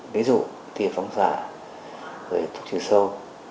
ví dụ tiệt phóng xạ thuốc trừ sâu